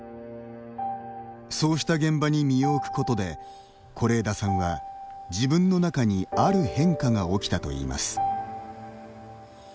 そうした現場に身を置くことで是枝さんは自分の中にある変化が起きたといいます。